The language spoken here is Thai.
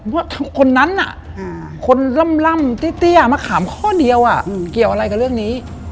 ว่าคนนั้นคนล่ำเตี้ยมะขามข้อเดียวเกี่ยวอะไรกับเรื่องนี้